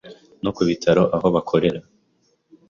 no ku bitaro aho bakorera,